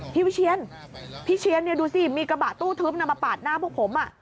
พี่วิเชียนดูซิมีกระบะตู้ทึอปมันมาปาดหน้าพวกผม